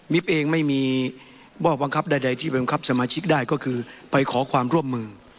เองไม่มีบ้อบังคับใดที่บังคับสมาชิกได้ก็คือไปขอความร่วมมือ